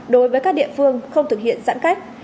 đối với các địa phương không thực hiện giãn cách